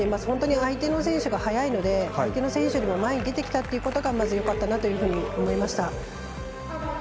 本当に相手の選手が速いのでその選手より前に出てきたということがまずよかったなというふうに思いました。